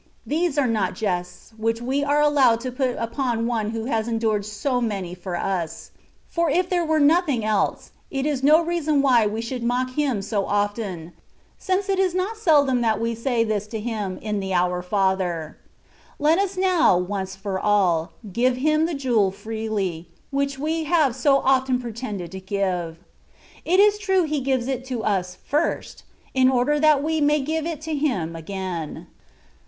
These are not iests which we are allowed to put upon one who has endured so many for ns ; for if there were nothing else, it is no reason why we should mock Him so often ; since it is not seldom that we say this to Him in the " Our Father/^ Let us now, once for all, give Him the jewel freely, which we have so often pretended to give. It is true He gives it to us first, in order that we may give it to Him again.